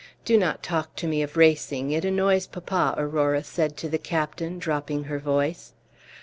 "Do not talk to me of racing; it annoys papa," Aurora said to the captain, dropping her voice.